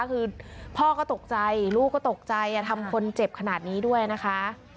คือพ่อก็ตกใจลูกก็ตกใจทำคนเจ็บขนาดนี้ด้วยนะคะ